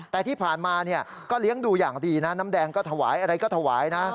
แต่ที่ผ่านมาก็เลี้ยงดูอย่างดีนะน้ำแดงก็ถวายอะไรก็ถวายนะ